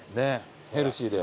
ヘルシーで。